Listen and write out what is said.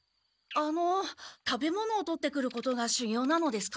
あの食べ物をとってくることがしゅぎょうなのですか？